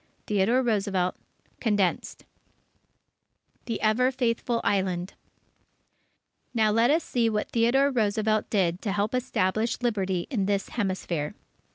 Theodore Roosevelt (Condensed) THE EVER FAITHFUL ISLAND Now, let us see what Theodore Roosevelt did to help establish Liberty in this Hemisphere.